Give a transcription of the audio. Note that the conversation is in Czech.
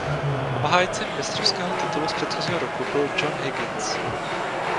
Obhájcem mistrovského titulu z předchozího roku byl John Higgins.